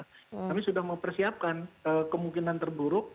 kami sudah mempersiapkan kemungkinan terburuk